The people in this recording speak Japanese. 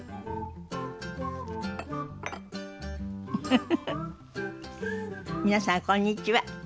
フフフフ皆さんこんにちは。